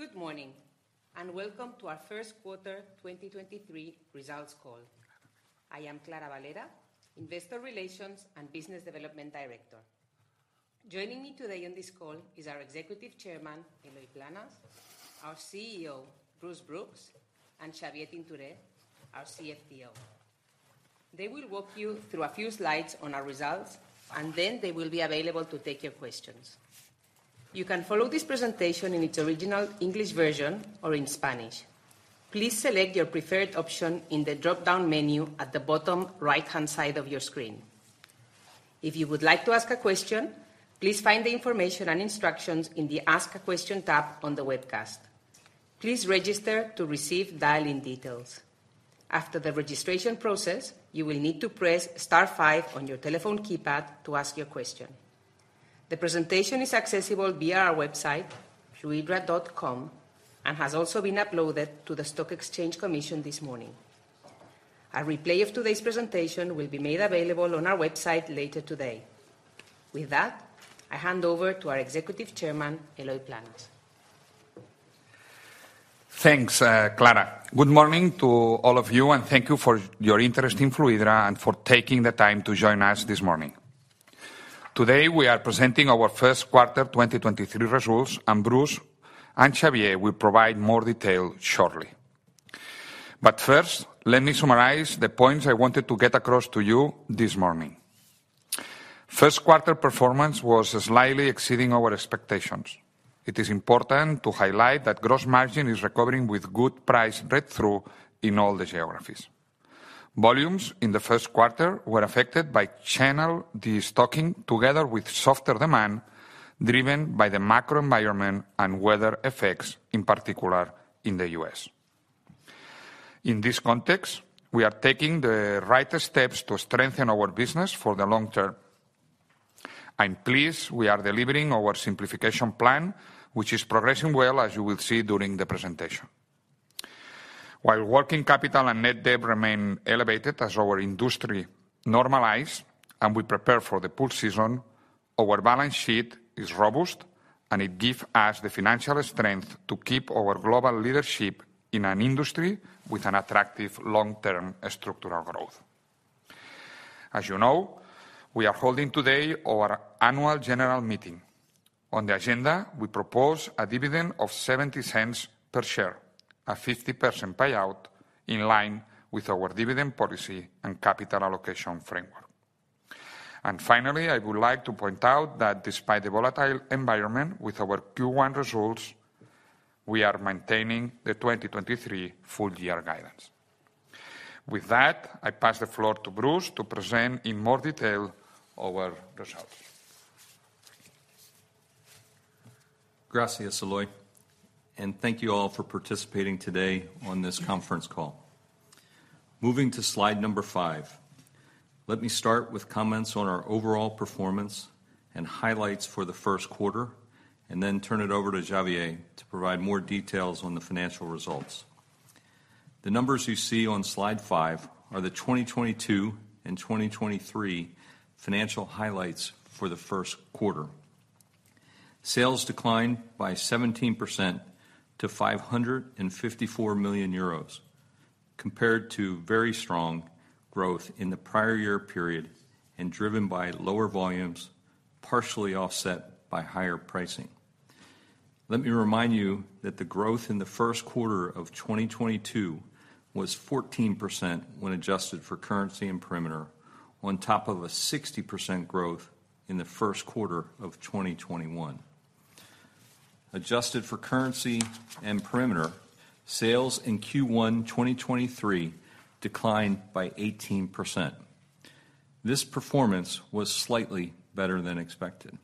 Good morning. Welcome to our first quarter 2023 results call. I am Clara Valera, Investor Relations and Business Development Director. Joining me today on this call is our Executive Chairman, Eloy Planes, our CEO, Bruce Brooks, and Xavier Tintoré, our CFO. They will walk you through a few slides on our results, and then they will be available to take your questions. You can follow this presentation in its original English version or in Spanish. Please select your preferred option in the dropdown menu at the bottom right-hand side of your screen. If you would like to ask a question, please find the information and instructions in the Ask a Question tab on the webcast. Please register to receive dial-in details. After the registration process, you will need to press star five on your telephone keypad to ask your question. The presentation is accessible via our website, fluidra.com, and has also been uploaded to the Stock Exchange Commission this morning. A replay of today's presentation will be made available on our website later today. With that, I hand over to our Executive Chairman, Eloy Planes. Thanks, Clara. Good morning to all of you, and thank you for your interest in Fluidra and for taking the time to join us this morning. Today, we are presenting our first quarter 2023 results. Bruce and Xavier will provide more detail shortly. First, let me summarize the points I wanted to get across to you this morning. First quarter performance was slightly exceeding our expectations. It is important to highlight that gross margin is recovering with good price read-through in all the geographies. Volumes in the first quarter were affected by channel destocking together with softer demand driven by the macro environment and weather effects, in particular in the US. In this context, we are taking the right steps to strengthen our business for the long term. I'm pleased we are delivering our Simplification Program, which is progressing well, as you will see during the presentation. While working capital and net debt remain elevated as our industry normalize and we prepare for the pool season, our balance sheet is robust, and it give us the financial strength to keep our global leadership in an industry with an attractive long-term structural growth. As you know, we are holding today our annual general meeting. On the agenda, we propose a dividend of €0.70 per share, a 50% payout in line with our dividend policy and capital allocation framework. I would like to point out that despite the volatile environment with our Q1 results, we are maintaining the 2023 full-year guidance. I pass the floor to Bruce to present in more detail our results. Gracias, Eloy. Thank you all for participating today on this conference call. Moving to slide number 5, let me start with comments on our overall performance and highlights for the first quarter, then turn it over to Xavier to provide more details on the financial results. The numbers you see on slide 5 are the 2022 and 2023 financial highlights for the first quarter. Sales declined by 17% to €554 million, compared to very strong growth in the prior year period and driven by lower volumes, partially offset by higher pricing. Let me remind you that the growth in the first quarter of 2022 was 14% when adjusted for currency and perimeter, on top of a 60% growth in the first quarter of 2021. Adjusted for currency and perimeter, sales in Q1 2023 declined by 18%. This performance was slightly better than expected.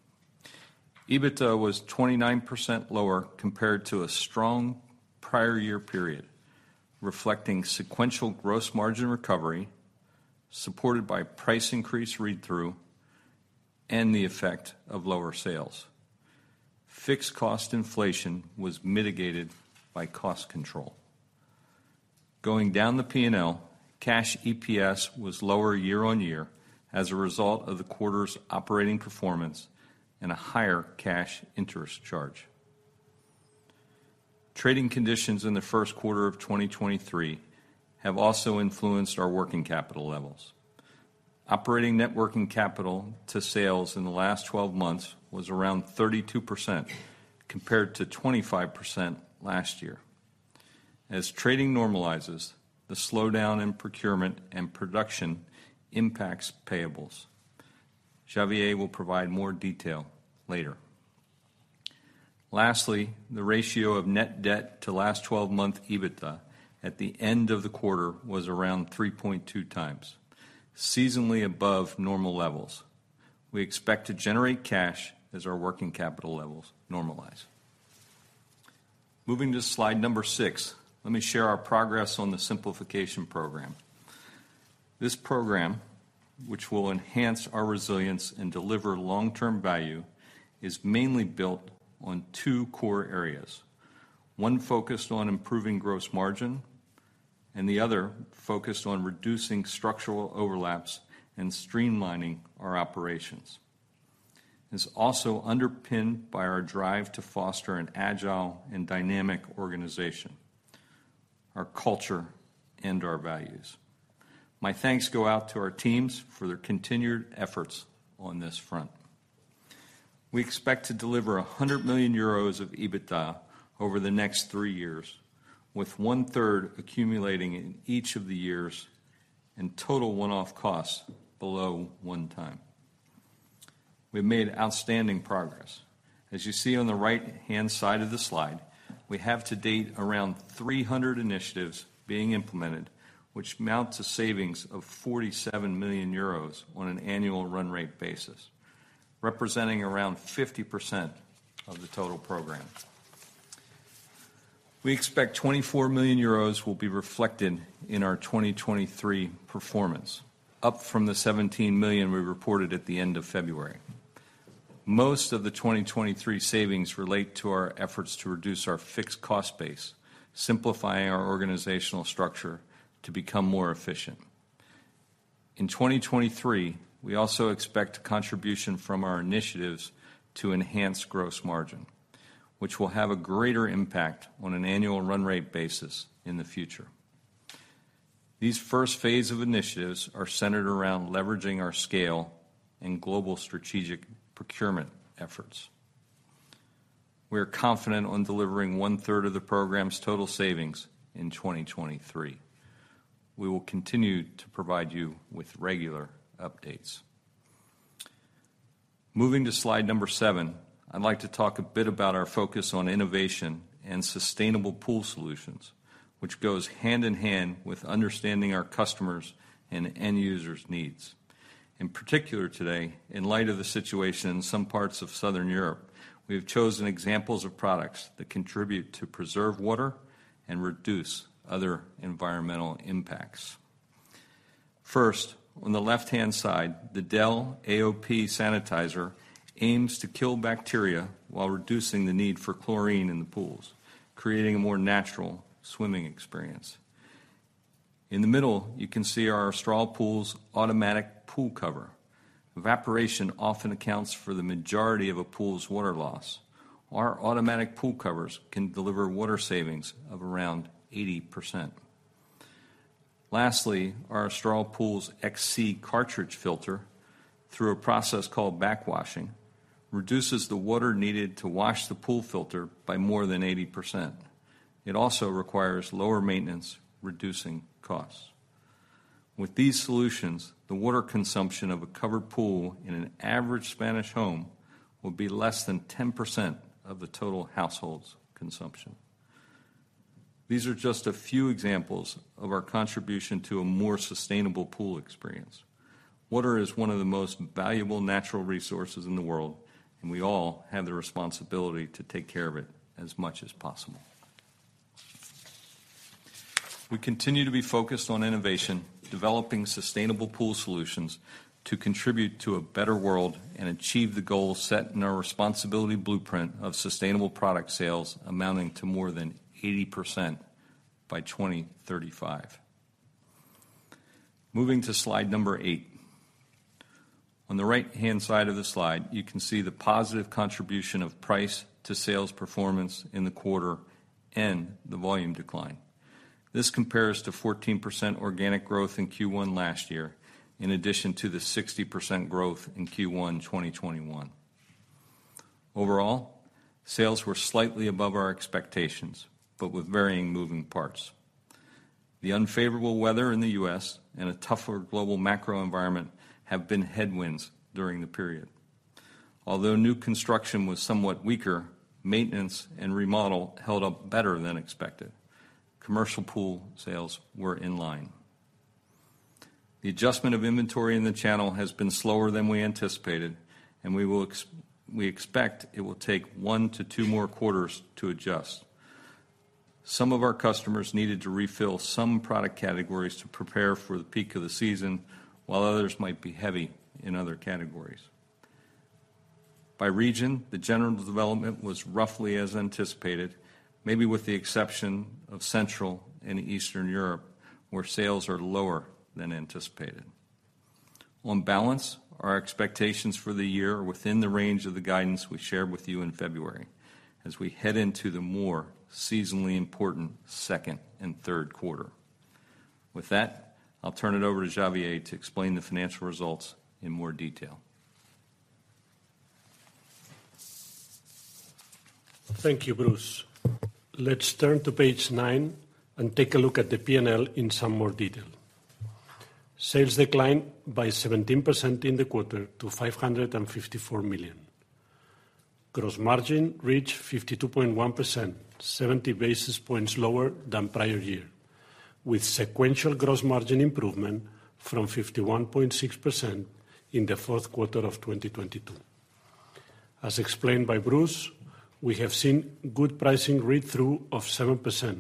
EBITDA was 29% lower compared to a strong prior year period, reflecting sequential gross margin recovery, supported by price increase read-through, and the effect of lower sales. Fixed cost inflation was mitigated by cost control. Going down the P&L, cash EPS was lower year-on-year as a result of the quarter's operating performance and a higher cash interest charge. Trading conditions in the first quarter of 2023 have also influenced our working capital levels. Operating net working capital to sales in the last 12 months was around 32%, compared to 25% last year. As trading normalizes, the slowdown in procurement and production impacts payables. Xavier will provide more detail later. Lastly, the ratio of net debt to last twelve-month EBITDA at the end of the quarter was around 3.2 times, seasonally above normal levels. We expect to generate cash as our working capital levels normalize. Moving to slide 6, let me share our progress on the Simplification Program. This program, which will enhance our resilience and deliver long-term value, is mainly built on two core areas. One focused on improving gross margin. The other focused on reducing structural overlaps and streamlining our operations. It's also underpinned by our drive to foster an agile and dynamic organization, our culture, and our values. My thanks go out to our teams for their continued efforts on this front. We expect to deliver 100 million euros of EBITDA over the next three years, with one-third accumulating in each of the years in total 1-off costs below 1 time. We've made outstanding progress. As you see on the right-hand side of the slide, we have to date around 300 initiatives being implemented, which amounts to savings of €47 million on an annual run rate basis, representing around 50% of the total program. We expect €24 million will be reflected in our 2023 performance, up from the €17 million we reported at the end of February. Most of the 2023 savings relate to our efforts to reduce our fixed cost base, simplifying our organizational structure to become more efficient. In 2023, we also expect contribution from our initiatives to enhance gross margin, which will have a greater impact on an annual run rate basis in the future. These first phases of initiatives are centered around leveraging our scale and global strategic procurement efforts. We are confident on delivering one-third of the program's total savings in 2023. We will continue to provide you with regular updates. Moving to slide number 7. I'd like to talk a bit about our focus on innovation and sustainable pool solutions, which goes hand in hand with understanding our customers and end users' needs. In particular today, in light of the situation in some parts of Southern Europe, we have chosen examples of products that contribute to preserve water and reduce other environmental impacts. First, on the left-hand side, the DEL AOP sanitizer aims to kill bacteria while reducing the need for chlorine in the pools, creating a more natural swimming experience. In the middle, you can see our AstralPool's automatic pool cover. Evaporation often accounts for the majority of a pool's water loss. Our automatic pool covers can deliver water savings of around 80%. Lastly, our AstralPool's XC cartridge filter, through a process called backwashing, reduces the water needed to wash the pool filter by more than 80%. It also requires lower maintenance, reducing costs. With these solutions, the water consumption of a covered pool in an average Spanish home will be less than 10% of the total household's consumption. These are just a few examples of our contribution to a more sustainable pool experience. Water is one of the most valuable natural resources in the world, and we all have the responsibility to take care of it as much as possible. We continue to be focused on innovation, developing sustainable pool solutions to contribute to a better world and achieve the goals set in our Responsibility Blueprint of sustainable product sales amounting to more than 80% by 2035. Moving to slide number 8. On the right-hand side of the slide, you can see the positive contribution of price to sales performance in the quarter and the volume decline. This compares to 14% organic growth in Q1 last year, in addition to the 60% growth in Q1 2021. Overall, sales were slightly above our expectations, but with varying moving parts. The unfavorable weather in the US. and a tougher global macro environment have been headwinds during the period. Although new construction was somewhat weaker, maintenance and remodel held up better than expected. Commercial pool sales were in line. The adjustment of inventory in the channel has been slower than we anticipated, and we expect it will take one to two more quarters to adjust. Some of our customers needed to refill some product categories to prepare for the peak of the season, while others might be heavy in other categories. By region, the general development was roughly as anticipated, maybe with the exception of Central and Eastern Europe, where sales are lower than anticipated. On balance, our expectations for the year are within the range of the guidance we shared with you in February as we head into the more seasonally important second and third quarter. With that, I'll turn it over to Xavier Tintore to explain the financial results in more detail. Thank you, Bruce. Let's turn to page nine and take a look at the P&L in some more detail. Sales declined by 17% in the quarter to €554 million. Gross margin reached 52.1%, 70 basis points lower than prior year, with sequential gross margin improvement from 51.6% in the fourth quarter of 2022. As explained by Bruce, we have seen good pricing read-through of 7%,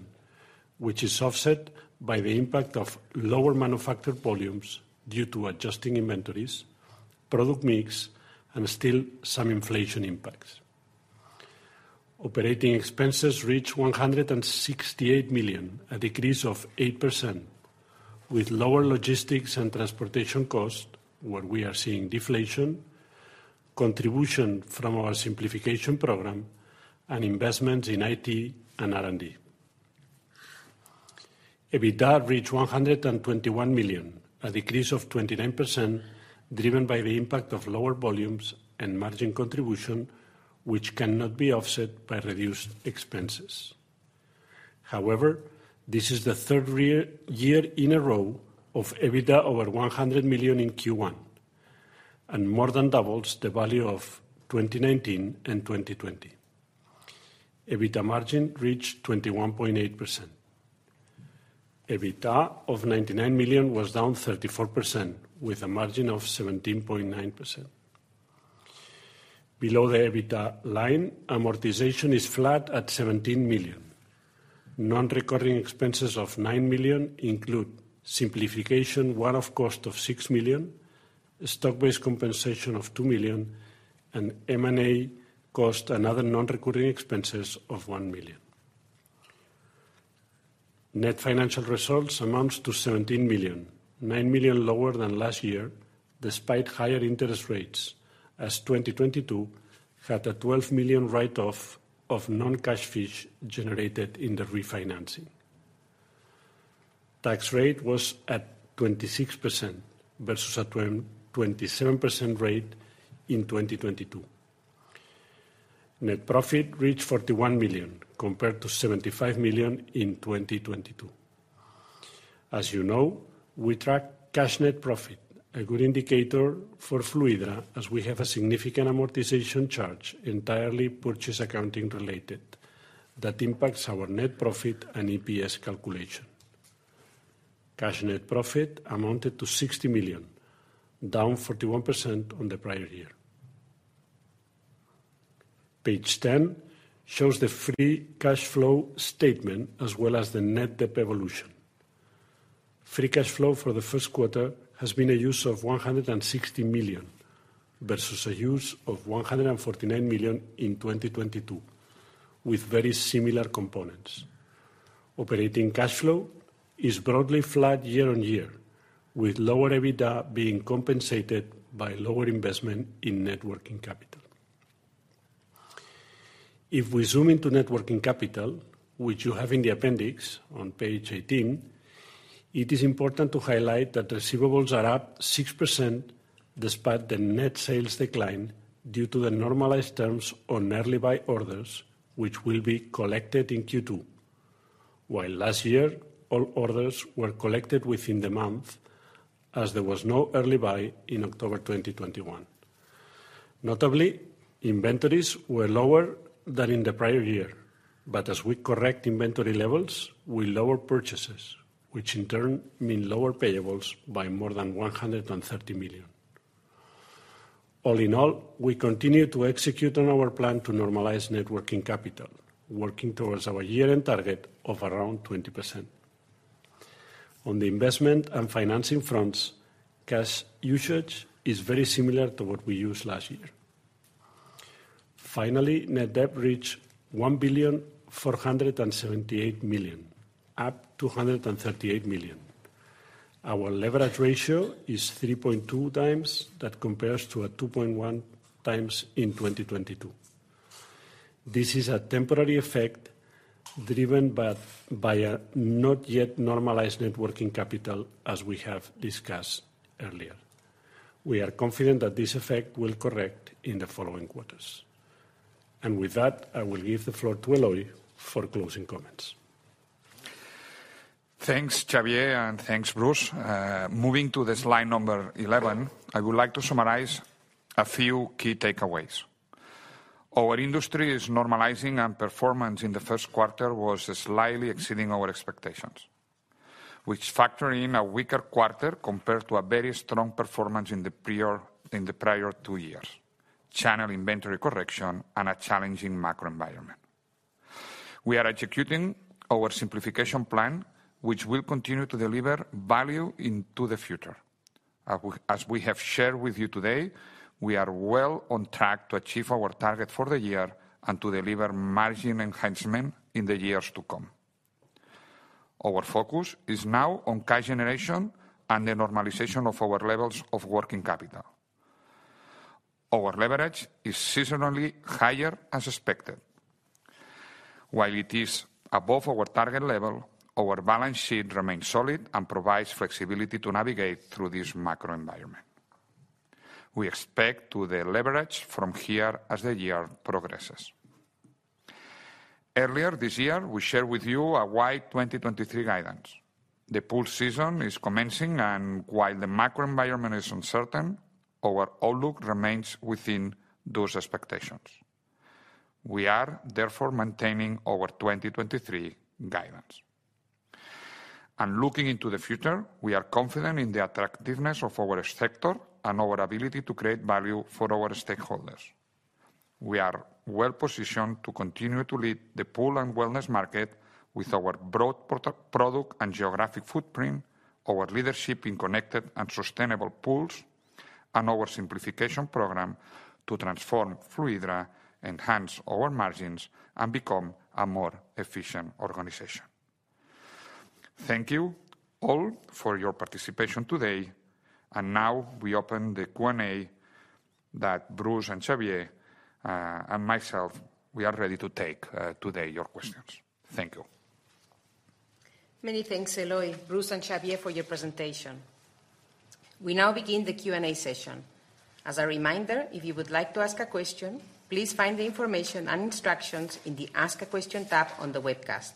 which is offset by the impact of lower manufactured volumes due to adjusting inventories, product mix, and still some inflation impacts. Operating expenses reached €168 million, a decrease of 8%, with lower logistics and transportation costs, where we are seeing deflation, contribution from our Simplification Program, and investments in IT and R&D. EBITDA reached €121 million, a decrease of 29%, driven by the impact of lower volumes and margin contribution, which cannot be offset by reduced expenses. However, this is the third year in a row of EBITDA over €100 million in Q1, and more than doubles the value of 2019 and 2020. EBITDA margin reached 21.8%. EBITDA of €99 million was down 34%, with a margin of 17.9%. Below the EBITDA line, amortization is flat at €17 million. Non-recurring expenses of €9 million include Simplification, one-off cost of €6 million, stock-based compensation of €2 million, and M&A cost and other non-recurring expenses of €1 million. Net financial results amounts to €17 million, €9 million lower than last year, despite higher interest rates as 2022 had a €12 million write-off of non-cash fees generated in the refinancing. Tax rate was at 26% versus a 27% rate in 2022. Net profit reached €41 million, compared to €75 million in 2022. As you know, we track cash net profit, a good indicator for Fluidra as we have a significant amortization charge, entirely purchase/accounting related, that impacts our net profit and EPS calculation. Cash net profit amounted to €60 million, down 41% on the prior year. Page 10 shows the free cash flow statement as well as the net debt evolution. Free cash flow for the first quarter has been a use of E€160 million versus a use of €149 million in 2022, with very similar components. Operating cash flow is broadly flat year-on-year, with lower EBITDA being compensated by lower investment in net working capital. If we zoom into net working capital, which you have in the appendix on page 18, it is important to highlight that receivables are up 6% despite the net sales decline due to the normalized terms on early buy orders, which will be collected in Q2. While last year, all orders were collected within the month, as there was no early buy in October 2021. Notably, inventories were lower than in the prior year, but as we correct inventory levels, we lower purchases, which in turn mean lower payables by more than €130 million. All in all, we continue to execute on our plan to normalize net working capital, working towards our year-end target of around 20%. On the investment and financing fronts, cash usage is very similar to what we used last year. Finally, net debt reached €1,478 million, up €238 million. Our leverage ratio is 3.2x. That compares to a 2.1x in 2022. This is a temporary effect driven by a not yet normalized net working capital, as we have discussed earlier. We are confident that this effect will correct in the following quarters. With that, I will give the floor to Eloy Planes for closing comments. Thanks, Xavier, and thanks, Bruce. Moving to the slide number 11, I would like to summarize a few key takeaways. Our industry is normalizing, and performance in the 1st quarter was slightly exceeding our expectations, which factor in a weaker quarter compared to a very strong performance in the prior 2 years, channel inventory correction, and a challenging macro environment. We are executing our Simplification Program, which will continue to deliver value into the future. As we have shared with you today, we are well on track to achieve our target for the year and to deliver margin enhancement in the years to come. Our focus is now on cash generation and the normalization of our levels of working capital. Our leverage is seasonally higher as expected. While it is above our target level, our balance sheet remains solid and provides flexibility to navigate through this macro environment. We expect to deleverage from here as the year progresses. Earlier this year, we shared with you our wide 2023 guidance. The pool season is commencing, and while the macro environment is uncertain, our outlook remains within those expectations. We are therefore maintaining our 2023 guidance. Looking into the future, we are confident in the attractiveness of our sector and our ability to create value for our stakeholders. We are well-positioned to continue to lead the pool and wellness market with our broad product and geographic footprint, our leadership in connected and sustainable pools. Our Simplification Program to transform Fluidra, enhance our margins and become a more efficient organization. Thank you all for your participation today. Now we open the Q&A that Bruce and Xavier, and myself, we are ready to take today your questions. Thank you. Many thanks, Eloy, Bruce, and Xavier for your presentation. We now begin the Q&A session. As a reminder, if you would like to ask a question, please find the information and instructions in the Ask a Question tab on the webcast.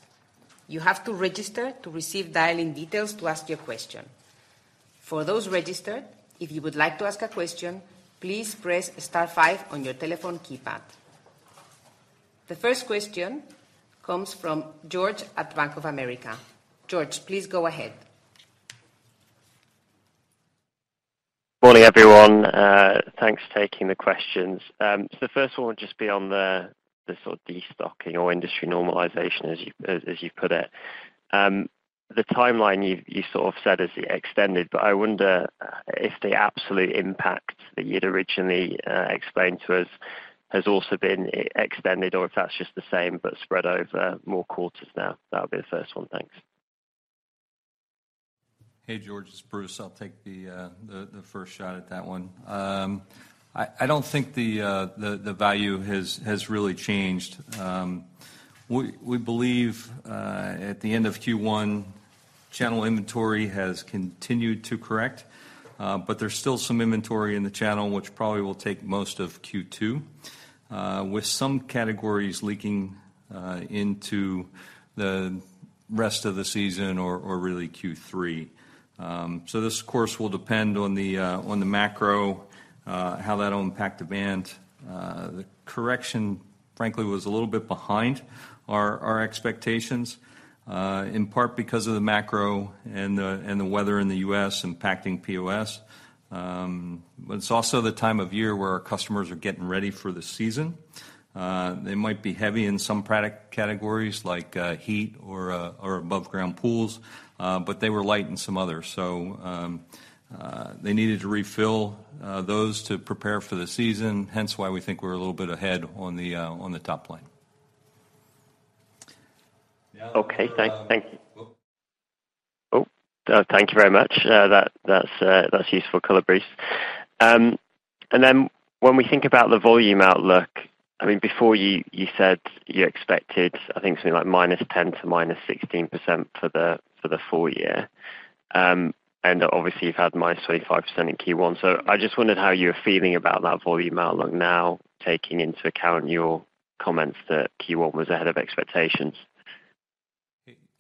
You have to register to receive dial-in details to ask your question. For those registered, if you would like to ask a question, please press star five on your telephone keypad. The first question comes from George at Bank of America. George, please go ahead. Morning, everyone. Thanks for taking the questions. The first one will just be on the sort of destocking or industry normalization as you put it. The timeline you sort of said is extended, but I wonder if the absolute impact that you'd originally explained to us has also been extended or if that's just the same but spread over more quarters now. That'll be the first one. Thanks. Hey, George, it's Bruce. I'll take the first shot at that one. I don't think the value has really changed. We believe at the end of Q1, channel inventory has continued to correct, but there's still some inventory in the channel which probably will take most of Q2, with some categories leaking into the rest of the season or really Q3. This course will depend on the macro, how that'll impact demand. The correction, frankly, was a little bit behind our expectations, in part because of the macro and the weather in the US. impacting POS. It's also the time of year where our customers are getting ready for the season. They might be heavy in some product categories like heat or above-ground pools, but they were light in some others. They needed to refill those to prepare for the season, hence why we think we're a little bit ahead on the top line. Okay. Thank. Yeah. Thank you very much. That's useful color, Bruce. When we think about the volume outlook, I mean, before you said you expected, I think something like -10% to -16% for the full year. Obviously you've had -25% in Q1. I just wondered how you're feeling about that volume outlook now, taking into account your comments that Q1 was ahead of expectations.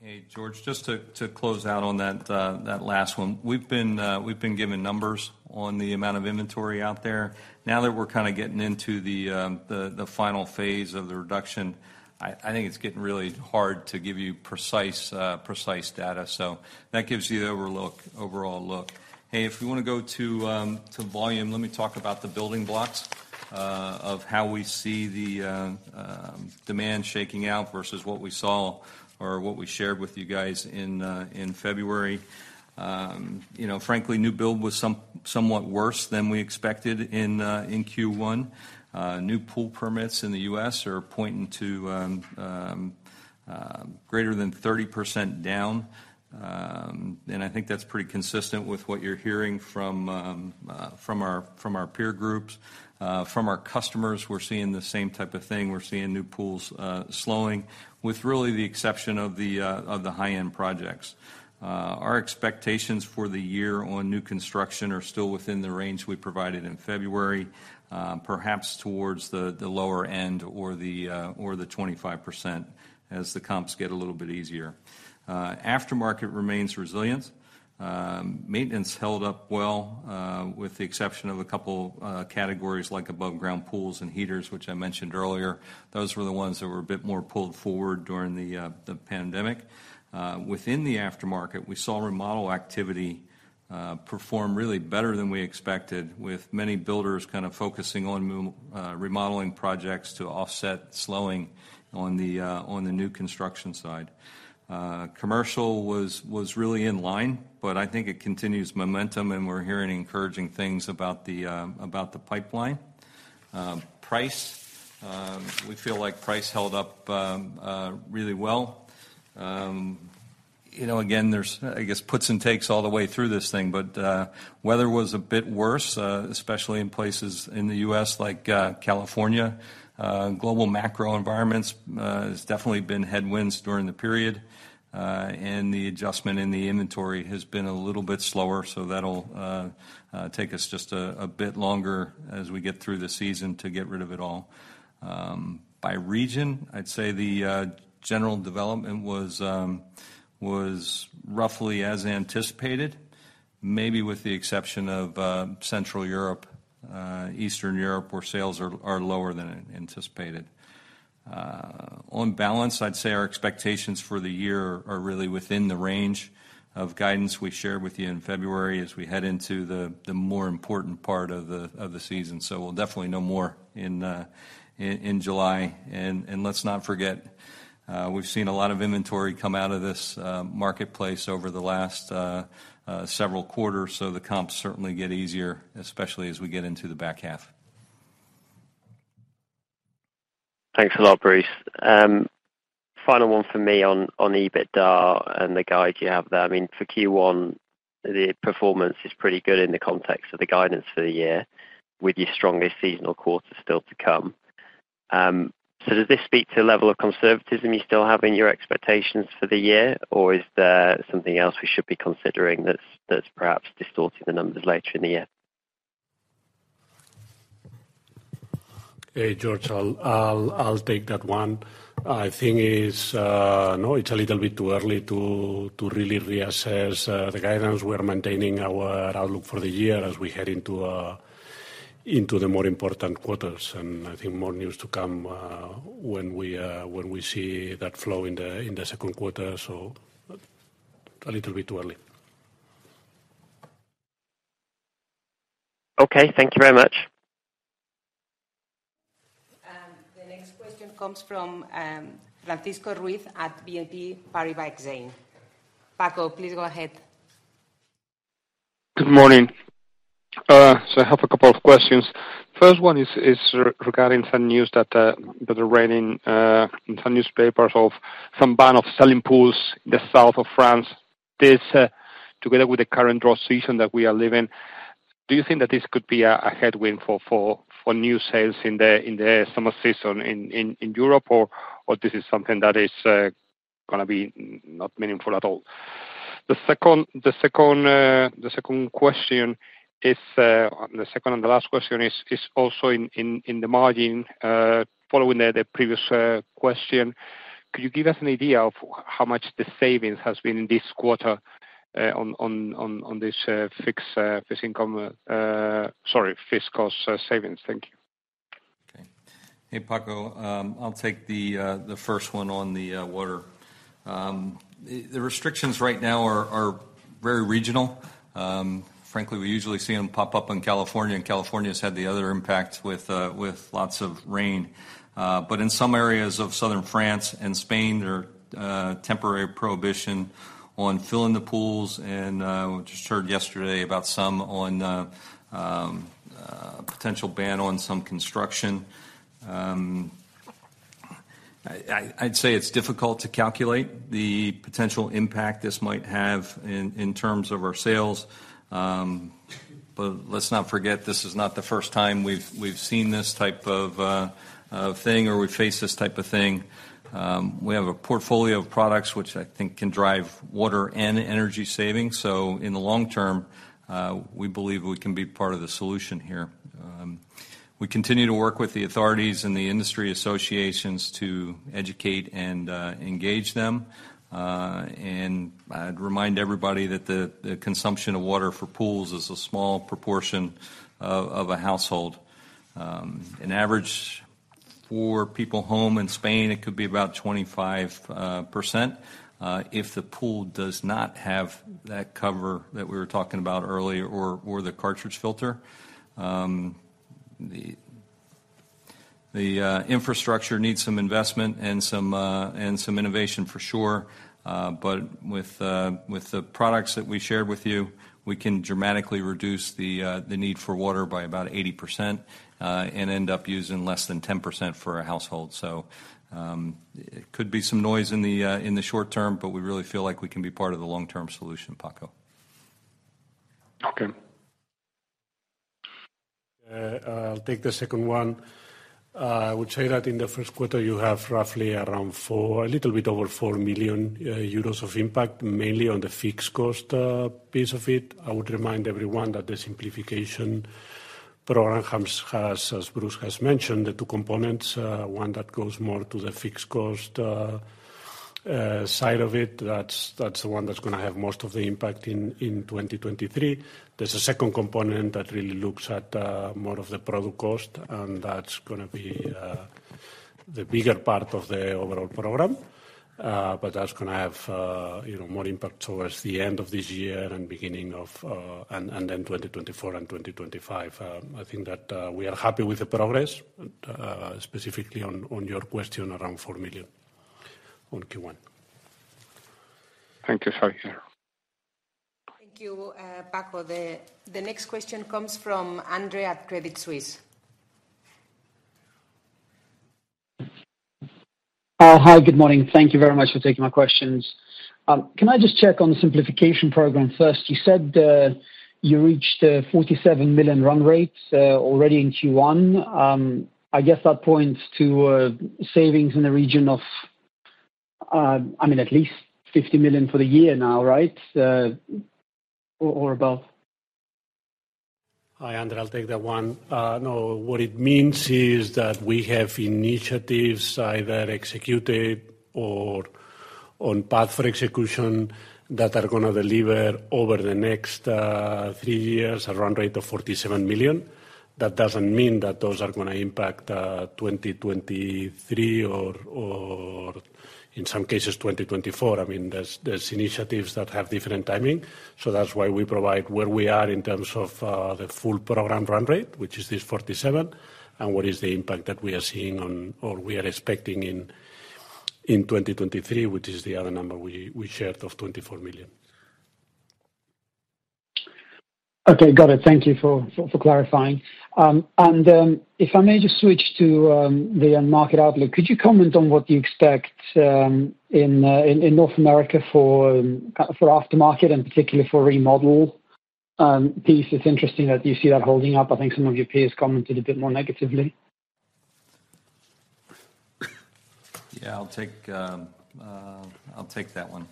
Hey, George. Just to close out on that last one. We've been given numbers on the amount of inventory out there. Now that we're kinda getting into the final phase of the reduction, I think it's getting really hard to give you precise data. That gives you the overall look. Hey, if we wanna go to volume, let me talk about the building blocks of how we see the demand shaking out versus what we saw or what we shared with you guys in February. You know, frankly, new build was somewhat worse than we expected in Q1. New pool permits in the US. are pointing to greater than 30% down. I think that's pretty consistent with what you're hearing from our, from our peer groups. From our customers, we're seeing the same type of thing. We're seeing new pools, slowing with really the exception of the high-end projects. Our expectations for the year on new construction are still within the range we provided in February, perhaps towards the lower end or the 25% as the comps get a little bit easier. Aftermarket remains resilient. Maintenance held up well, with the exception of a couple categories like above-ground pools and heaters, which I mentioned earlier. Those were the ones that were a bit more pulled forward during the pandemic. Within the aftermarket, we saw remodel activity perform really better than we expected, with many builders kind of focusing on remodeling projects to offset slowing on the new construction side. Commercial was really in line, but I think it continues momentum, and we're hearing encouraging things about the pipeline. Price. We feel like price held up really well. You know, again, there's, I guess, puts and takes all the way through this thing, but weather was a bit worse, especially in places in the US. like California. Global macro environments has definitely been headwinds during the period, and the adjustment in the inventory has been a little bit slower. That'll take us just a bit longer as we get through the season to get rid of it all. By region, I'd say the general development was roughly as anticipated, maybe with the exception of Central Europe, Eastern Europe, where sales are lower than anticipated. On balance, I'd say our expectations for the year are really within the range of guidance we shared with you in February as we head into the more important part of the season. We'll definitely know more in July. Let's not forget, we've seen a lot of inventory come out of this marketplace over the last several quarters, so the comps certainly get easier, especially as we get into the back half. Thanks a lot, Bruce. final one for me on EBITDA and the guide you have there. I mean, for Q1, the performance is pretty good in the context of the guidance for the year with your strongest seasonal quarters still to come. Does this speak to the level of conservatism you still have in your expectations for the year? Or is there something else we should be considering that's perhaps distorting the numbers later in the year? Hey, George, I'll take that one. I think it's, no, it's a little bit too early to really reassess the guidance. We're maintaining our outlook for the year as we head into the more important quarters. I think more news to come when we see that flow in the Q2. A little bit too early. Okay. Thank you very much. The next question comes from Francisco Ruiz at BNP Paribas Exane. Francisco, please go ahead. Good morning. I have a couple of questions. First one is regarding some news that are running in some newspapers of some ban of selling pools in the south of France. This, together with the current drought season that we are living, do you think that this could be a headwind for new sales in the summer season in Europe or this is something that is gonna be not meaningful at all? The second question is, the second and the last question is also in the margin. Following the previous question, could you give us an idea of how much the savings has been this quarter on this fixed cost savings? Thank you. Okay. Hey, Francisco. I'll take the first one on the water. The restrictions right now are very regional. Frankly, we usually see them pop up in California, and California's had the other impact with lots of rain. In some areas of southern France and Spain, there are temporary prohibition on filling the pools and just heard yesterday about some on potential ban on some construction. I'd say it's difficult to calculate the potential impact this might have in terms of our sales. Let's not forget this is not the first time we've seen this type of thing, or we face this type of thing. We have a portfolio of products which I think can drive water and energy savings. In the long term, we believe we can be part of the solution here. We continue to work with the authorities and the industry associations to educate and engage them. I'd remind everybody that the consumption of water for pools is a small proportion of a household. An average four people home in Spain, it could be about 25%, if the pool does not have that cover that we were talking about earlier or the cartridge filter. The infrastructure needs some investment and some innovation for sure. With the products that we shared with you, we can dramatically reduce the need for water by about 80%, and end up using less than 10% for a household. It could be some noise in the short term, but we really feel like we can be part of the long-term solution, Francisco. Okay. I'll take the second one. I would say that in the first quarter, you have roughly around a little bit over €4 million of impact, mainly on the fixed cost piece of it. I would remind everyone that the Simplification Program has, as Bruce has mentioned, the two components, one that goes more to the fixed cost side of it. That's the one that's gonna have most of the impact in 2023. There's a second component that really looks at more of the product cost, and that's gonna be the bigger part of the overall program. That's gonna have, you know, more impact towards the end of this year and beginning of, and then 2024 and 2025. I think that we are happy with the progress, specifically on your question, around €4 million on Q1. Thank you. Sorry. Thank you, Francisco. The next question comes from Andre at Credit Suisse. Hi. Good morning. Thank you very much for taking my questions. Can I just check on the Simplification Program first? You said you reached €47 million run rates already in Q1. I guess that points to savings in the region of, I mean, at least €50 million for the year now, right? Or above. Hi, Andre. I'll take that one. No, what it means is that we have initiatives either executed or on path for execution that are gonna deliver over the next three years, a run rate of €47 million. That doesn't mean that those are gonna impact 2023 or in some cases 2024. I mean, there's initiatives that have different timing. That's why we provide where we are in terms of the full program run rate, which is this €47 million, and what is the impact that we are seeing on or we are expecting in 2023, which is the other number we shared of €24 million. Okay. Got it. Thank you for clarifying. If I may just switch to the end market outlook. Could you comment on what you expect in North America for kind of for aftermarket and particularly for remodel piece? It's interesting that you see that holding up. I think some of your peers commented a bit more negatively. Yeah, I'll take, I'll take that one.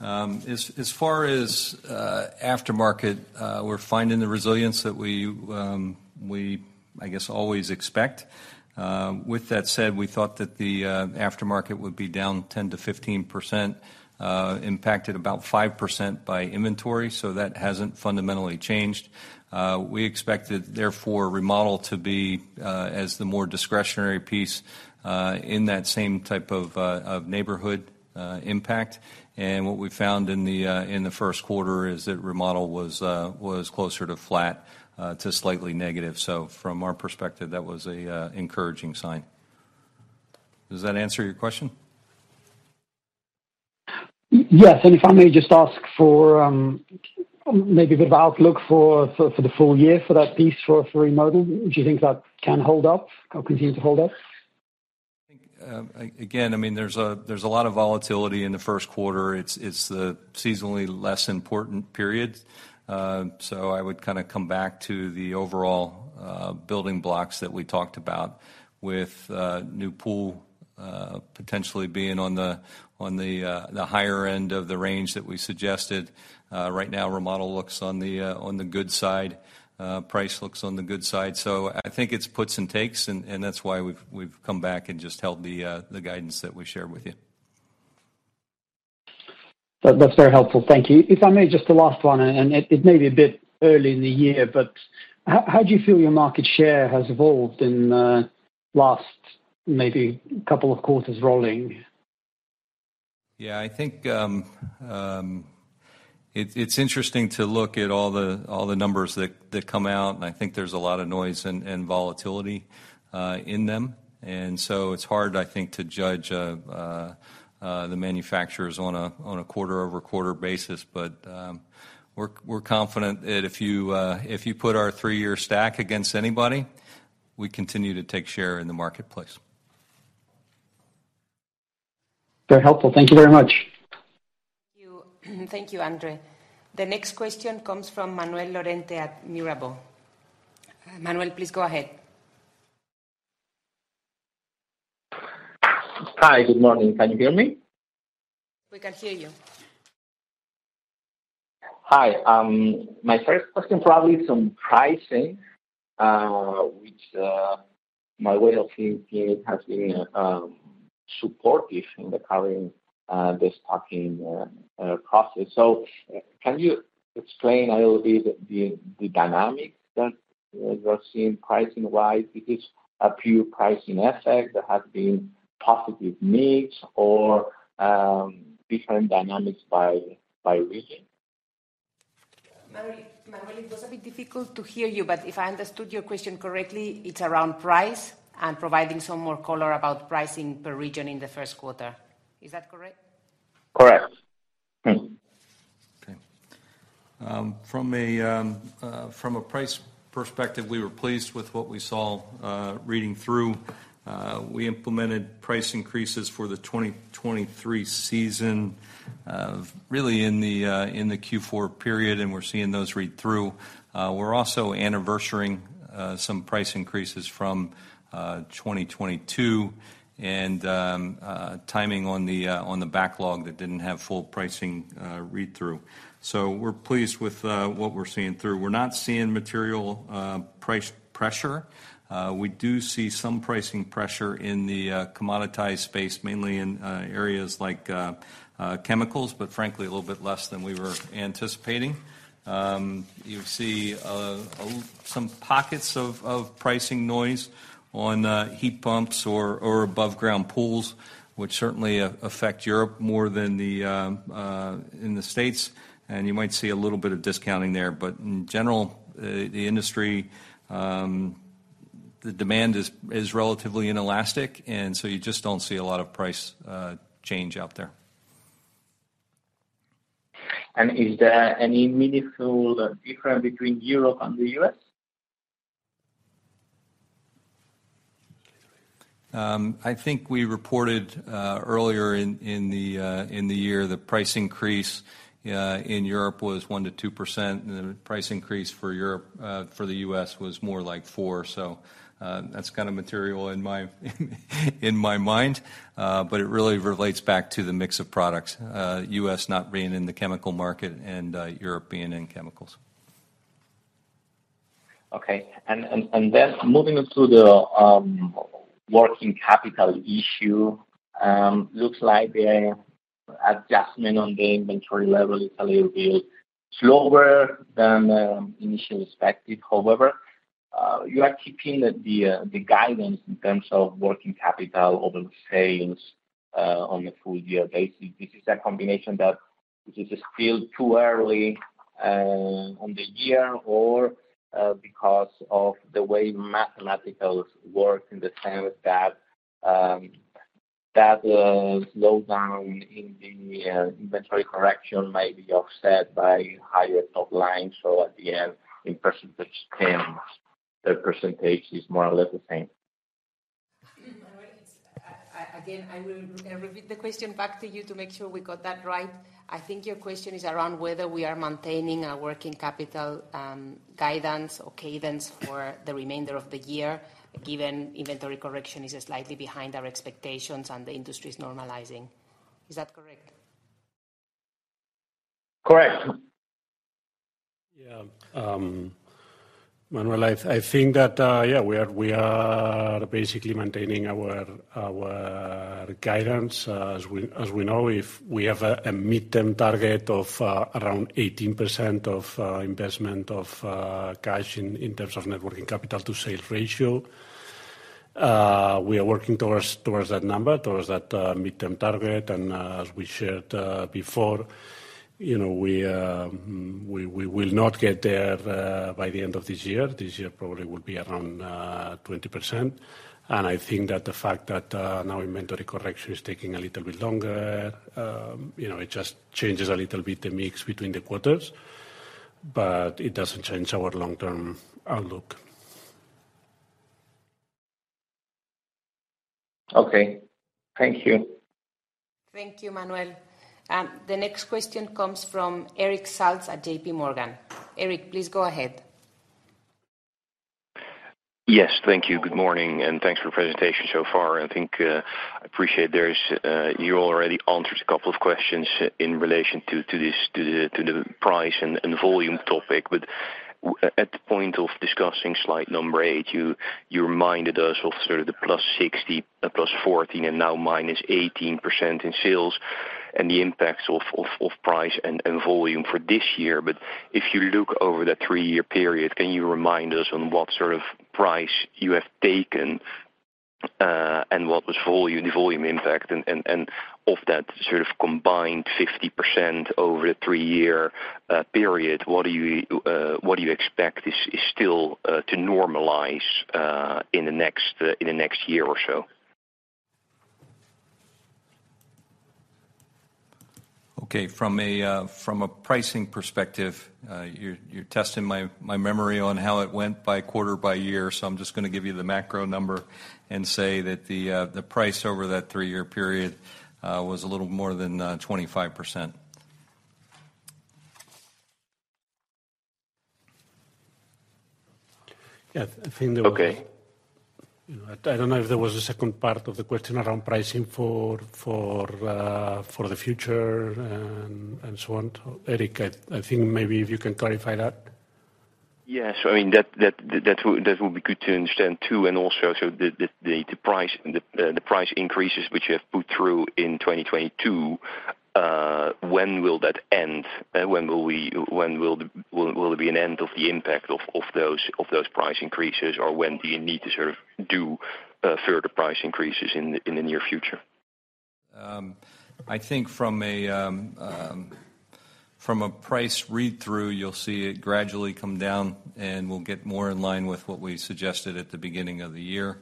As far as aftermarket, we're finding the resilience that we, I guess, always expect. With that said, we thought that the aftermarket would be down 10%-15%, impacted about 5% by inventory. That hasn't fundamentally changed. We expected therefore remodel to be as the more discretionary piece, in that same type of neighborhood, impact. What we found in the first quarter is that remodel was closer to flat, to slightly negative. From our perspective, that was an encouraging sign. Does that answer your question? Yes. If I may just ask for maybe a bit of outlook for the full year for that piece, for remodel. Do you think that can hold up or continue to hold up? I think, again, I mean, there's a lot of volatility in the first quarter. It's the seasonally less important period. I would kinda come back to the overall building blocks that we talked about with new pool, potentially being on the higher end of the range that we suggested. Right now, remodel looks on the good side. Price looks on the good side. I think it's puts and takes, and that's why we've come back and just held the guidance that we shared with you. That's very helpful. Thank you. If I may just the last one, and it may be a bit early in the year. How do you feel your market share has evolved in last maybe couple of quarters rolling? Yeah, I think it's interesting to look at all the numbers that come out, and I think there's a lot of noise and volatility in them. It's hard, I think, to judge the manufacturers on a quarter-over-quarter basis. We're confident that if you put our 3-year stack against anybody, we continue to take share in the marketplace. Very helpful. Thank you very much. Thank you. Thank you, Andre. The next question comes from Manuel Lorente at Mirabaud. Manuel, please go ahead. Hi. Good morning. Can you hear me? We can hear you. Hi. My first question probably is on pricing, which my way of thinking has been supportive in the current destocking process. Can you explain a little bit the dynamics that you're seeing pricing-wise? Is this a pure pricing effect that has been positive mix or different dynamics by region? Manuel, it was a bit difficult to hear you, but if I understood your question correctly, it's around price and providing some more color about pricing per region in the first quarter. Is that correct? Correct. Mm-hmm. perspective, we were pleased with what we saw reading through. We implemented price increases for the 2023 season really in the Q4 period, and we're seeing those read through. We're also anniversarying some price increases from 2022 and timing on the backlog that didn't have full pricing read through. We're pleased with what we're seeing through. We're not seeing material price pressure. We do see some pricing pressure in the commoditized space, mainly in areas like chemicals, but frankly, a little bit less than we were anticipating. You see some pockets of pricing noise on heat pumps or above-ground pools, which certainly affect Europe more than in the States. You might see a little bit of discounting there. In general, the industry, the demand is relatively inelastic, and so you just don't see a lot of price change out there. Is there any meaningful difference between Europe and the US? I think we reported earlier in the year, the price increase in Europe was 1%-2%. The price increase for Europe for the US. was more like 4%. That's kinda material in my in my mind. It really relates back to the mix of products, US. not being in the chemical market and European in chemicals. Okay. Then moving on to the working capital issue, looks like the adjustment on the inventory level is a little bit slower than initial perspective. However, you are keeping the guidance in terms of working capital over sales on a full year basis. This is a combination that this is still too early on the year or because of the way mathematicals work in the sense that slowdown in the inventory correction may be offset by higher top line? At the end, in percentage terms, the percentage is more or less the same. I will repeat the question back to you to make sure we got that right. I think your question is around whether we are maintaining our working capital guidance or cadence for the remainder of the year, given inventory correction is slightly behind our expectations and the industry is normalizing. Is that correct? Correct. Manuel, I think that, yeah, we are basically maintaining our guidance. As we know, if we have a midterm target of around 18% of investment of cash in terms of net working capital to sales ratio. We are working towards that number, towards that midterm target. As we shared before, you know, we will not get there by the end of this year. This year probably would be around 20%. I think that the fact that now inventory correction is taking a little bit longer, you know, it just changes a little bit the mix between the quarters, but it doesn't change our long-term outlook. Okay. Thank you. Thank you, Manuel. The next question comes from Erik Salz at JPMorgan. Erik, please go ahead. Yes, thank you. Good morning, and thanks for presentation so far. I think, I appreciate there is, you already answered a couple of questions in relation to this, to the price and volume topic. At the point of discussing slide number 8, you reminded us of sort of the +60%, +14%, and now -18% in sales and the impacts of price and volume for this year. If you look over the 3-year period, can you remind us on what sort of price you have taken, and what was volume, the volume impact and of that sort of combined 50% over a 3-year period, what do you expect is still, to normalize, in the next year or so? Okay. From a, from a pricing perspective, you're testing my memory on how it went by quarter by year. I'm just gonna give you the macro number and say that the price over that 3-year period was a little more than 25%. I think there. Okay. You know, I don't know if there was a second part of the question around pricing for the future and so on. Erik, I think maybe if you can clarify that. Yes. I mean, that will be good to understand too. Also the price, the price increases which you have put through in 2022, when will that end? When will it be an end of the impact of those price increases? Or when do you need to sort of do further price increases in the near future? I think from a price read-through, you'll see it gradually come down, and we'll get more in line with what we suggested at the beginning of the year,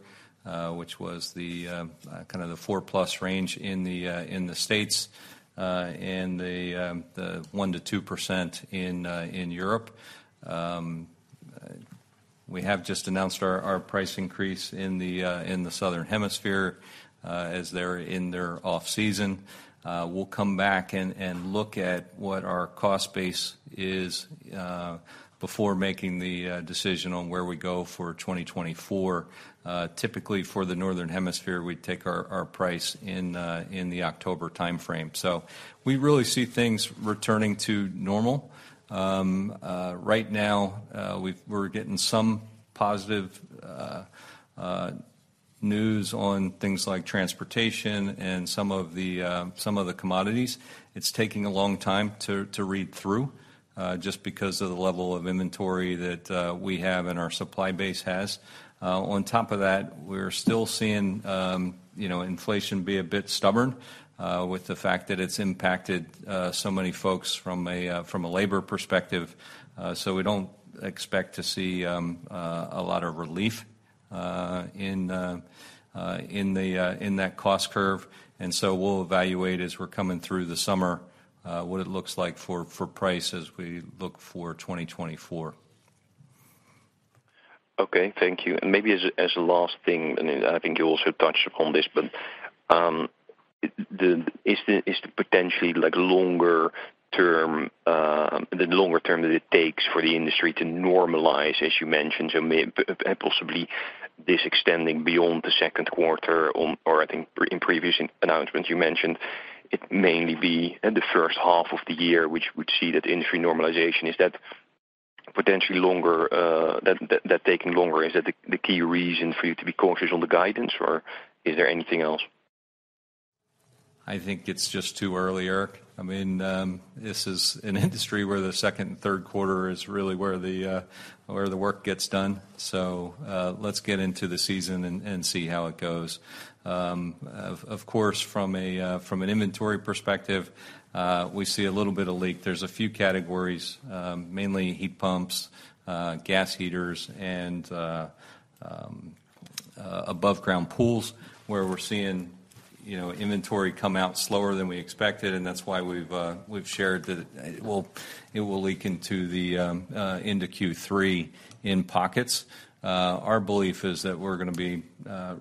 which was the kind of the 4-plus range in the States, and the 1%-2% in Europe. We have just announced our price increase in the Southern Hemisphere, as they're in their off-season. We'll come back and look at what our cost base is before making the decision on where we go for 2024. Typically for the Northern Hemisphere, we take our price in the October timeframe. We really see things returning to normal. Right now, we're getting some positive news on things like transportation and some of the commodities. It's taking a long time to read through, just because of the level of inventory that we have and our supply base has. On top of that, we're still seeing, you know, inflation be a bit stubborn, with the fact that it's impacted so many folks from a labor perspective. We don't expect to see a lot of relief in the in the in that cost curve. We'll evaluate as we're coming through the summer, what it looks like for price as we look for 2024. Okay. Thank you. Maybe as a last thing, and I think you also touched upon this, but, is the potentially like longer term, the longer term that it takes for the industry to normalize, as you mentioned, and possibly this extending beyond the Q2 or I think in previous announcements you mentioned it may be in the first half of the year which would see that industry normalization. Is that potentially longer, that taking longer, is that the key reason for you to be cautious on the guidance, or is there anything else? I think it's just too early, Erik. I mean, this is an industry where the second and third quarter is really where the work gets done. Let's get into the season and see how it goes. Of course, from an inventory perspective, we see a little bit of leak. There's a few categories, mainly heat pumps, gas heaters and above-ground pools where we're seeing, you know, inventory come out slower than we expected, and that's why we've shared that it will leak into the into Q3 in pockets. Our belief is that we're gonna be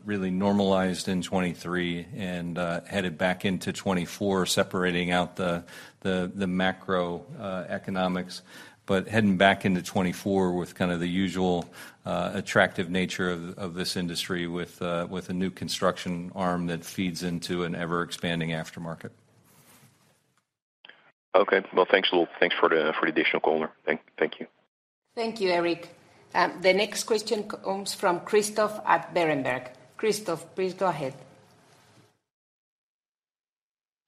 really normalized in 2023 and headed back into 2024, separating out the macroeconomics. Heading back into 2024 with kind of the usual, attractive nature of this industry with a new construction arm that feeds into an ever-expanding aftermarket. Okay. Well, thanks a lot. Thanks for the additional color. Thank you. Thank you, Erik. The next question comes from Christoph at Berenberg. Christoph, please go ahead.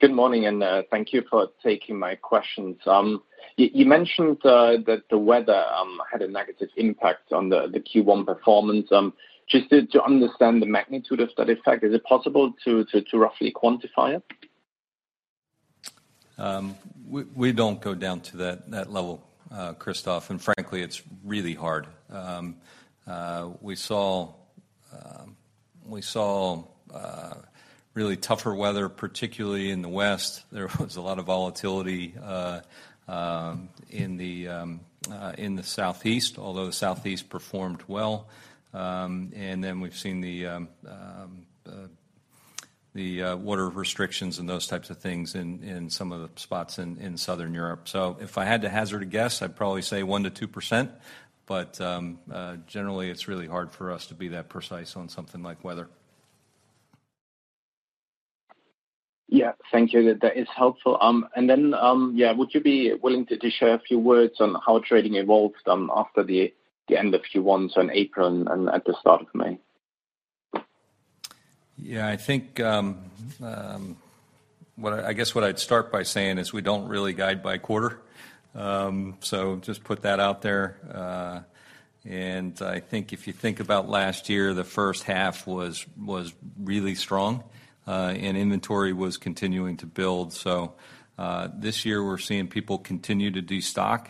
Good morning. Thank you for taking my questions. You mentioned that the weather had a negative impact on the Q1 performance. Just to understand the magnitude of that effect, is it possible to roughly quantify it? We don't go down to that level, Christoph. Frankly, it's really hard. We saw really tougher weather, particularly in the West. There was a lot of volatility in the Southeast, although the Southeast performed well. Then we've seen the water restrictions and those types of things in some of the spots in Southern Europe. If I had to hazard a guess, I'd probably say 1%-2%. Generally, it's really hard for us to be that precise on something like weather. Yeah. Thank you. That is helpful. Then, yeah, would you be willing to share a few words on how trading evolved after the end of Q1, so in April and at the start of May? I think I guess what I'd start by saying is we don't really guide by quarter. Just put that out there. I think if you think about last year, the first half was really strong, and inventory was continuing to build. This year we're seeing people continue to destock.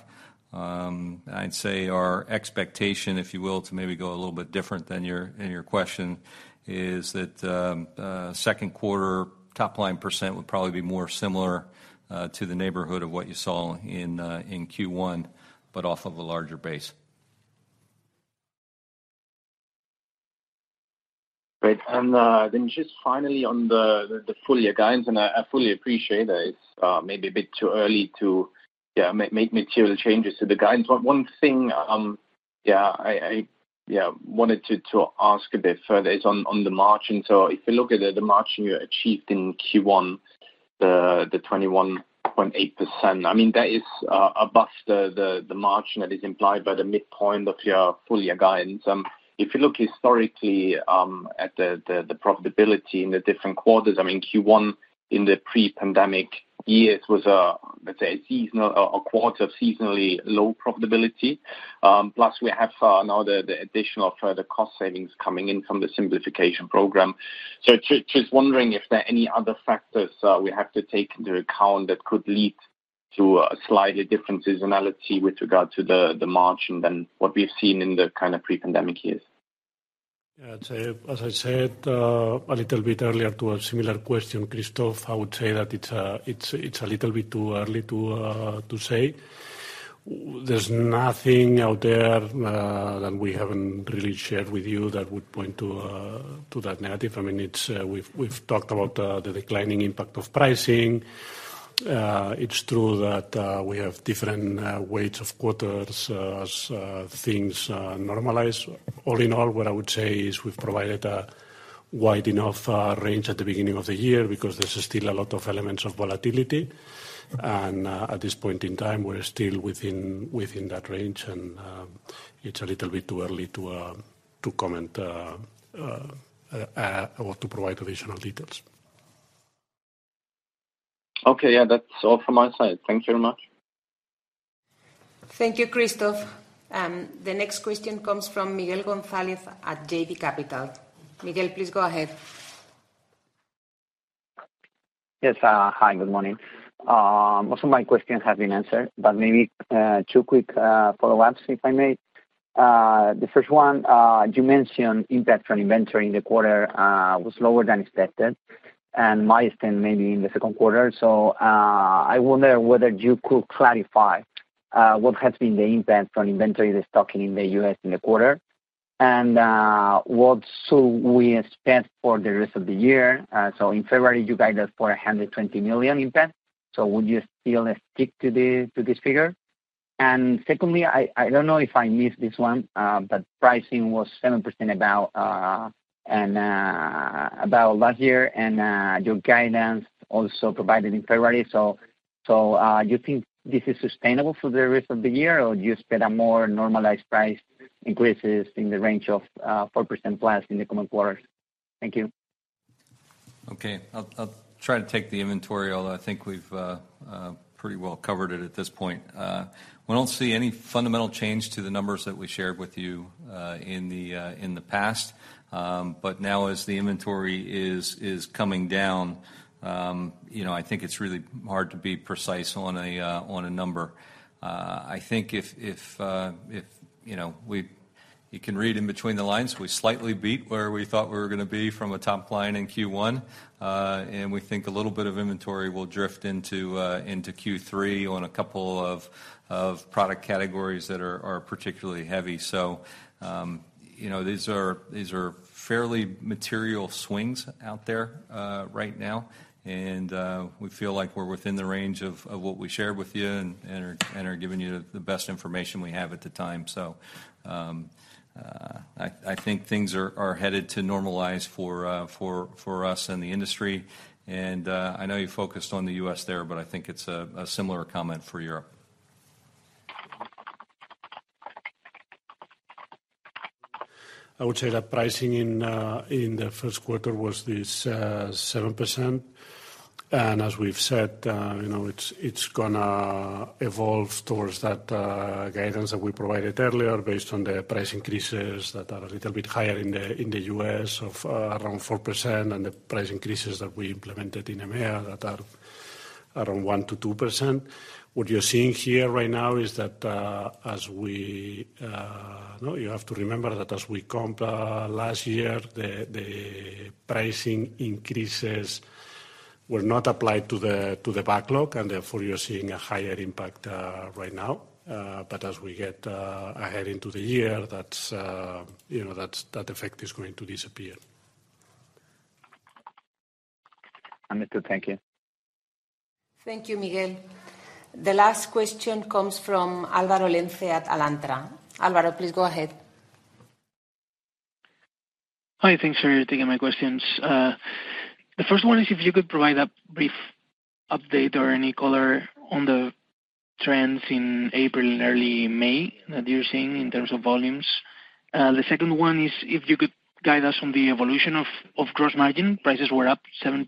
I'd say our expectation, if you will, to maybe go a little bit different than your, in your question, is that Q2 top-line % would probably be more similar to the neighborhood of what you saw in Q1, off of a larger base. Great. Then just finally on the full year guidance, and I fully appreciate that it's maybe a bit too early to make material changes to the guidance. One thing I wanted to ask a bit further is on the margin. If you look at the margin you achieved in Q1, the 21.8%, I mean, that is above the margin that is implied by the midpoint of your full year guidance. If you look historically at the profitability in the different quarters, I mean, Q1 in the pre-pandemic years was let's say a quarter of seasonally low profitability. We have now the additional further cost savings coming in from the Simplification Program. Just wondering if there are any other factors, we have to take into account that could lead to a slightly different seasonality with regard to the margin than what we've seen in the kind of pre-pandemic years. Yeah. As I said a little bit earlier to a similar question, Christoph, I would say that it's a little bit too early to say. There's nothing out there that we haven't really shared with you that would point to that narrative. I mean, it's. We've talked about the declining impact of pricing. It's true that we have different weights of quarters as things normalize. All in all, what I would say is we've provided a wide enough range at the beginning of the year because there's still a lot of elements of volatility. At this point in time, we're still within that range and it's a little bit too early to comment or to provide additional details. Okay. Yeah. That's all from my side. Thank you very much. Thank you, Christoph. The next question comes from Miguel Gonzalez at JB Capital Markets. Miguel, please go ahead. Yes. Hi, good morning. Most of my questions have been answered, but maybe two quick follow-ups, if I may. The first one, you mentioned impact from inventory in the quarter was lower than expected and might stand maybe in the Q2. I wonder whether you could clarify what has been the impact on inventory, the stocking in the US. in the quarter, and what should we expect for the rest of the year. In February, you guided for a €120 million impact. Would you still stick to this figure? Secondly, I don't know if I missed this one, but pricing was 7% about and about last year, and your guidance also provided in February. Do you think this is sustainable for the rest of the year, or do you expect a more normalized price increases in the range of 4%+ in the coming quarters? Thank you. Okay. I'll try to take the inventory, although I think we've pretty well covered it at this point. We don't see any fundamental change to the numbers that we shared with you in the past. Now as the inventory is coming down, you know, I think it's really hard to be precise on a number. I think if you know, You can read in between the lines, we slightly beat where we thought we were gonna be from a top client in Q1. We think a little bit of inventory will drift into Q3 on a couple of product categories that are particularly heavy. You know, these are fairly material swings out there right now. We feel like we're within the range of what we shared with you and are giving you the best information we have at the time. I think things are headed to normalize for us and the industry. I know you focused on the US. there, but I think it's a similar comment for Europe. I would say that pricing in the first quarter was this 7%. As we've said, you know, it's gonna evolve towards that guidance that we provided earlier based on the price increases that are a little bit higher in the US. of around 4% and the price increases that we implemented in EMEA that are around 1%-2%. What you're seeing here right now is that, as we. No, you have to remember that as we comp last year, the pricing increases were not applied to the backlog, and therefore, you're seeing a higher impact right now. As we get ahead into the year, that, you know, that effect is going to disappear. Understood. Thank you. Thank you, Miguel. The last question comes from Alvaro Lenz at Alantra. Alvaro, please go ahead. Hi. Thanks for taking my questions. The first one is if you could provide a brief update or any color on the trends in April and early May that you're seeing in terms of volumes. The second one is if you could guide us on the evolution of gross margin. Prices were up 7%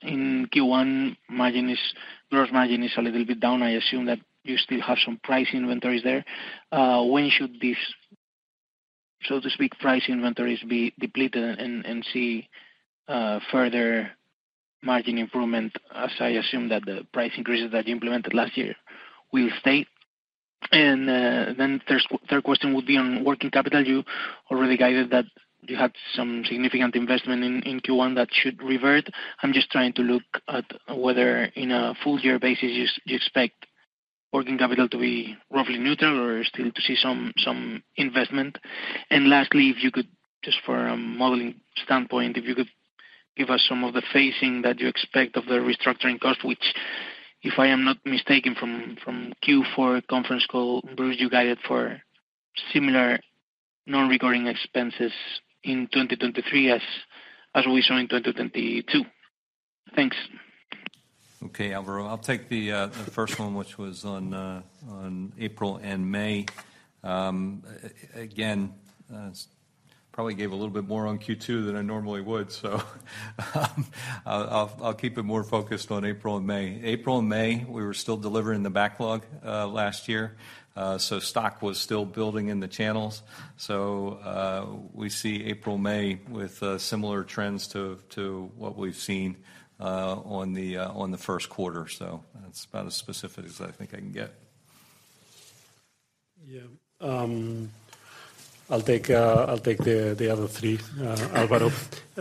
in Q1. gross margin is a little bit down. I assume that you still have some price inventories there. When should these, so to speak, price inventories be depleted and see further margin improvement as I assume that the price increases that you implemented last year will stay? third question would be on working capital. You already guided that you had some significant investment in Q1 that should revert. I'm just trying to look at whether in a full year basis you expect working capital to be roughly neutral or still to see some investment. Lastly, if you could just from a modeling standpoint, if you could give us some of the phasing that you expect of the restructuring cost, which if I am not mistaken from Q4 conference call, Bruce, you guided for similar non-recurring expenses in 2023 as we saw in 2022. Thanks. Okay, Alvaro. I'll take the first one which was on April and May. Again, probably gave a little bit more on Q2 than I normally would, I'll keep it more focused on April and May. April and May, we were still delivering the backlog last year. Stock was still building in the channels. We see April, May with similar trends to what we've seen on the first quarter. That's about as specific as I think I can get. Yeah. I'll take the other three, Alvaro.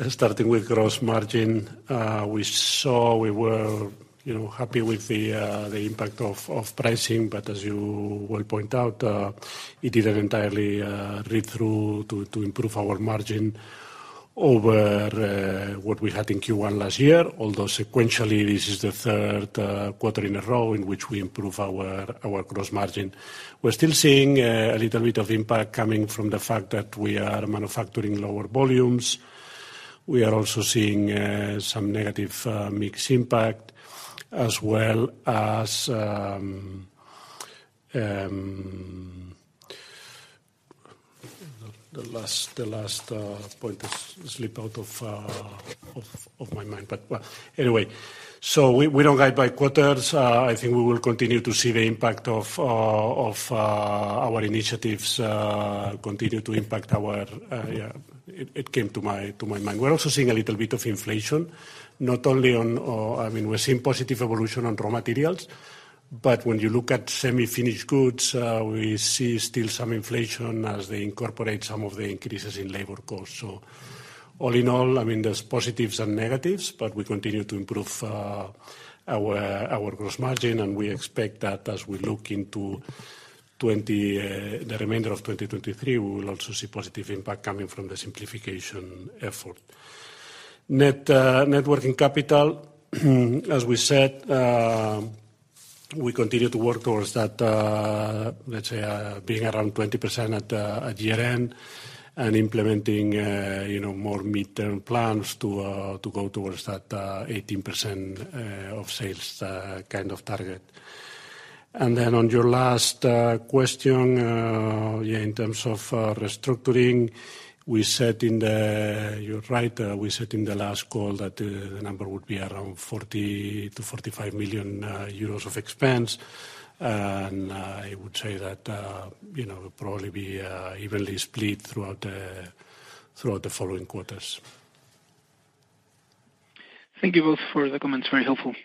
Starting with gross margin. We saw we were, you know, happy with the impact of pricing. As you well point out, it didn't entirely read through to improve our margin over what we had in Q1 last year, although sequentially, this is the third quarter in a row in which we improve our gross margin. We're still seeing a little bit of impact coming from the fact that we are manufacturing lower volumes. We are also seeing some negative mix impact as well as... The last point has slipped out of my mind. Well, anyway. We don't guide by quarters. I think we will continue to see the impact of our initiatives, continue to impact our... Yeah, it came to my mind. We're also seeing a little bit of inflation, not only on, I mean, we're seeing positive evolution on raw materials, but when you look at semi-finished goods, we see still some inflation as they incorporate some of the increases in labor costs. All in all, I mean, there's positives and negatives, but we continue to improve our gross margin, and we expect that as we look into 20, the remainder of 2023, we will also see positive impact coming from the Simplification effort. Net net working capital, as we said, we continue to work towards that, let's say, being around 20% at year-end and implementing, you know, more midterm plans to go towards that 18% of sales kind of target. On your last question, yeah, in terms of restructuring, You're right. We said in the last call that the number would be around €40 million-€45 million of expense. I would say that, you know, probably be evenly split throughout the following quarters. Thank you both for the comments. Very helpful.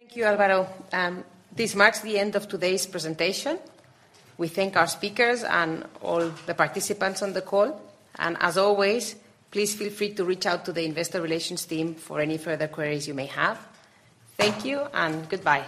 Thank you, Alvaro. This marks the end of today's presentation. We thank our speakers and all the participants on the call. As always, please feel free to reach out to the investor relations team for any further queries you may have. Thank you and goodbye.